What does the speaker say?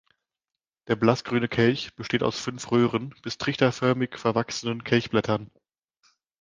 Der blassgrüne Kelch besteht aus fünf röhren- bis trichterförmig verwachsenen Kelchblättern.